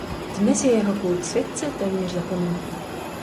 Dnes je jeho kult světce téměř zapomenut.